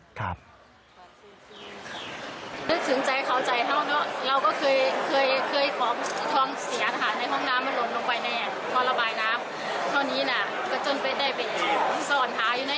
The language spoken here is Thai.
นึกถึงใจเข้าใจเท่านั้น